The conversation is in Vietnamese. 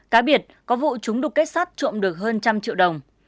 cá biệt có vụ chúng đục kết sắt trộm được hơn trăm triệu đồng